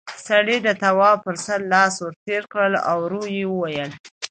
سړي د تواب پر سر لاس ور تېر کړ، ورو يې وويل: